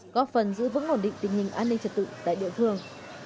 góp phần giữ vững ổn định tình hình an ninh trật tự tại địa phương